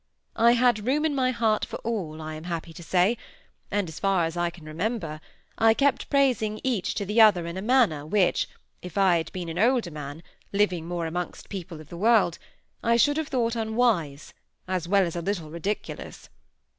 I had room in my heart for all, I am happy to say, and as far as I can remember, I kept praising each to the other in a manner which, if I had been an older man, living more amongst people of the world, I should have thought unwise, as well as a little ridiculous.